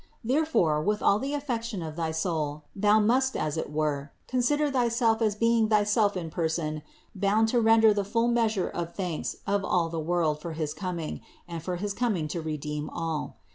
There fore with all the affection of thy soul thou must, as it were, consider thyself as being thyself in person bound to render the full measure of thanks of all the world for his coming; and for his coming to redeem all.